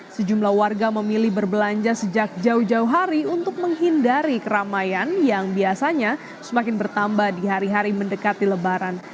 sejumlah warga memilih berbelanja sejak jauh jauh hari untuk menghindari keramaian yang biasanya semakin bertambah di hari hari mendekati lebaran